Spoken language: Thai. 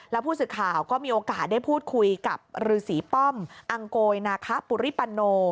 แล้วผู้สื่อข่าวก็มีโอกาสได้พูดคุยกับฤษีป้อมอังโกยนาคะปุริปโน